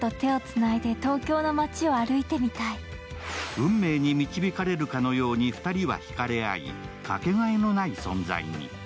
運命に導かれるかのように２人は引かれ合いかけがえのない存在に。